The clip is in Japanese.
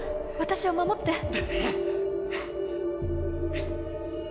私を守って